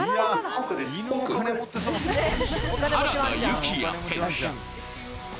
原田幸哉選手。